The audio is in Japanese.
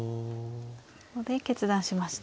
ここで決断しましたね。